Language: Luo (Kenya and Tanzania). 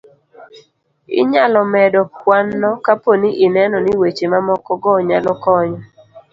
inyalo medo kwanno kapo ni ineno ni weche mamoko go nyalo konyo